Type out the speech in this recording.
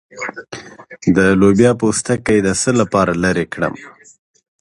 د لوبیا پوستکی د څه لپاره لرې کړم؟